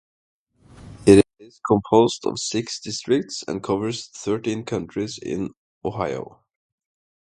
It is composed of six districts and covers thirteen counties in Ohio.